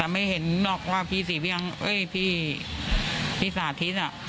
ไม่เห็นหนอกว่าพี่ศรีเวียงเอ้ยพี่ศาธิต